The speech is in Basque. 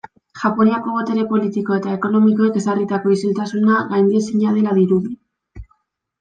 Japoniako botere politiko eta ekonomikoek ezarritako isiltasuna gaindiezina dela dirudi.